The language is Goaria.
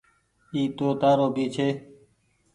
اي تو تآرو ڀي ڇي۔